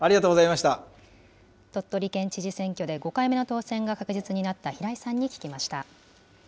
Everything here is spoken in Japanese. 鳥取県知事選挙で５回目の当選が確実になった平井さんに聞きました。